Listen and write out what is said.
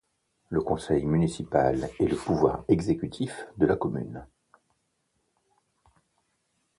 Le conseil municipal est le pouvoir exécutif de la commune.